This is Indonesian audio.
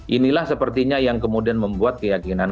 inilah sepertinya yang kemudian membuat keyakinan